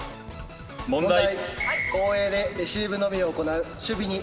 問題。